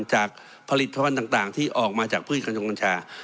จากผลิตภัณฑ์ต่างที่ออกมาจากพืชกระจงกัญชา